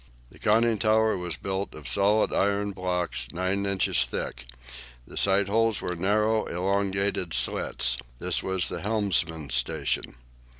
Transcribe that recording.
The conning tower was built of solid iron blocks, nine inches thick. The sight holes were narrow, elongated slits. This was the helmsman's station.